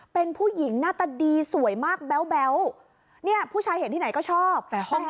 เป็นผู้หญิงหน้าตาดีสวยมากแบ๊วเนี่ยผู้ชายเห็นที่ไหนก็ชอบ